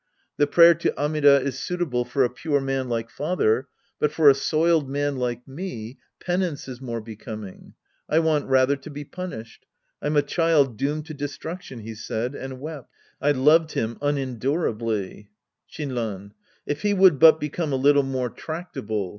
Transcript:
" The prayer to Amida is suitable for a pure man like father, but for a soiled man like me, penance is more becoming. I want rather to be punished. I'm a child doomed to destniction," he said and wept. I loved him unendurably. Shinran. If he would but become a little more tractable.